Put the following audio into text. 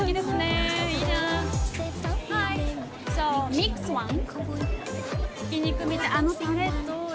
ミックスワン。